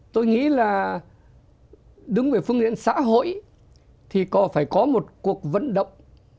tôi nghĩ là đứng về phương nghiện xã hội thì có phải có một cuộc vận động